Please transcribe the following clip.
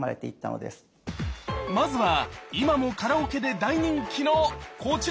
まずは今もカラオケで大人気のこちら！